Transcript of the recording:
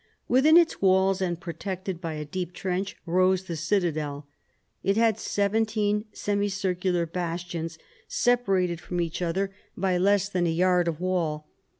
Within its walls, and protected by a deep trench, rose the citadel. It had seventeen semicircular bastions, separated from each other by less 72 PHILIP AUGUSTUS chap. than a yard of wall.